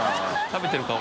食べてる顔。